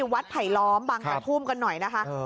วัดไผ่ล้อมบางตาภูมกันหน่อยนะคะ